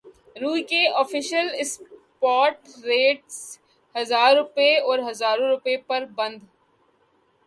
روئی کے official spot rates ہزار روپے اور ہزار روپے پر بند